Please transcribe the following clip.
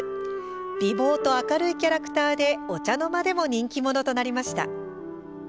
美貌と明るいキャラクターでお茶の間でも人気者となりました。